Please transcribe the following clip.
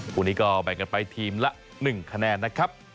คู่นี้ก็แบ่งกันไปทีมละ๑คะแนนนะครับ